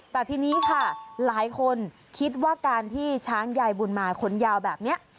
แต่ทีนี้ค่ะหลายคนคิดว่าการที่ช้างยายบุญมาขนยาวแบบนี้